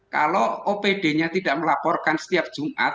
kalau opd nya tidak melaporkan setiap jumat